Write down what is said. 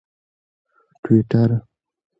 ټویټر